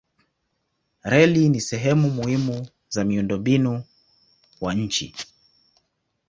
Reli ni sehemu muhimu za miundombinu wa nchi.